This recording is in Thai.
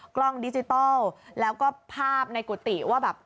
กล้องดิจิทัลแล้วก็ภาพในกุฏิว่าแบบ